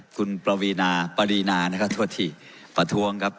คุณประวีนาปรีนานะคะทั่วที่ประท้วงครับ